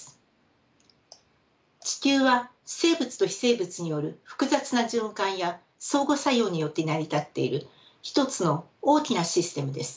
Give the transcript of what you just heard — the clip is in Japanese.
地球は生物と非生物による複雑な循環や相互作用によって成り立っている一つの大きなシステムです。